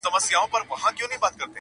هر ستمګر ته د اغزیو وطن٫